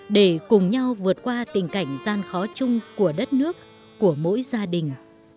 để cùng nhau vượt qua tình cảnh gian khó chung của đất nước của mỗi gia đình